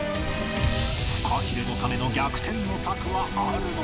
フカヒレのための逆転の策はあるのか？